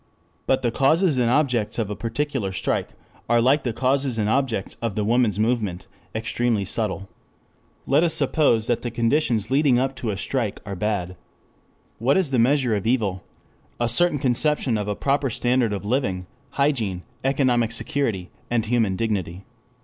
But the causes and objects of a particular strike are like the causes and objects of the woman's movement, extremely subtle. Let us suppose the conditions leading up to a strike are bad. What is the measure of evil? A certain conception of a proper standard of living, hygiene, economic security, and human dignity.